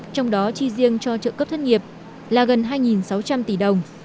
trong đó chi riêng cho trợ cấp thất nghiệp là gần hai sáu trăm linh tỷ đồng